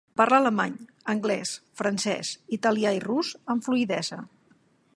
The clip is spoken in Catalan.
Parla alemany, anglès, francès, italià i rus amb fluïdesa.